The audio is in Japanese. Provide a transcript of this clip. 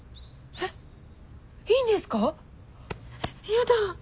えっやだ。